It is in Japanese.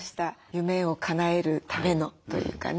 夢をかなえるためのというかね。